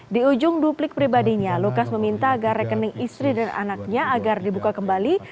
di ujung duplik pribadinya lukas meminta agar rekening istri dan anaknya agar dibuka kembali